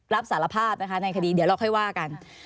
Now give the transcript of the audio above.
รับสารภาพนะคะในคดีเดี๋ยวเราค่อยว่ากัน